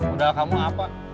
udah kamu apa